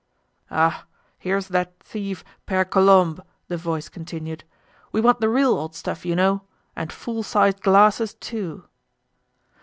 "Ah! Here's that thief, Pere Colombe!" the voice continued. "We want the real old stuff, you know. And full sized glasses, too."